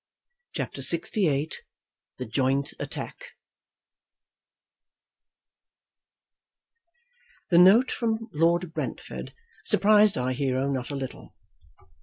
CHAPTER LXVIII The Joint Attack The note from Lord Brentford surprised our hero not a little.